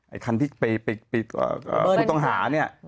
ไอ้คันที่ไปคู่ต้องหา